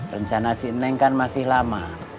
rencana si neng kan masih lama